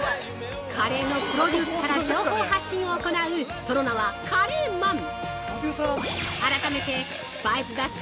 カレーのプロデュースから情報発信を行うその名はカレーマン。